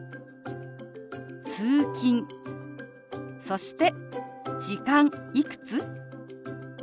そして「時間」「いくつ？」。